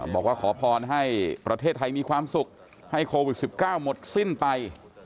บอกว่าขอพรให้ประเทศไทยมีความสุขให้โควิด๑๙หมดสิ้นไป